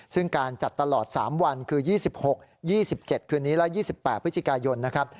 ซึ่งการจัดตลอด๓วันคือ๒๖๒๗คืนนี้และ๒๘พฤศจิกายนนะครับ